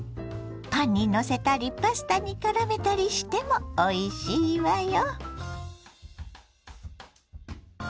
パンにのせたりパスタにからめたりしてもおいしいわよ。